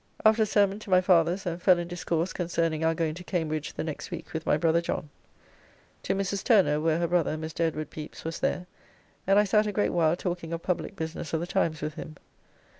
After sermon to my father's; and fell in discourse concerning our going to Cambridge the next week with my brother John. To Mrs. Turner where her brother, Mr. Edward Pepys, was there, and I sat a great while talking of public business of the times with him.